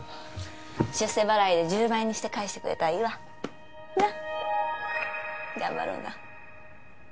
出世払いで１０倍にして返してくれたらいいわなっ？